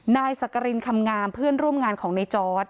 นายสักกรินคำงามเพื่อนร่วมงานของในจอร์ด